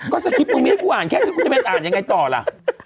ก็สคริปตมึงมีให้กูอ่านแค่สิกูจะไปอ่านยังไงต่อล่ะ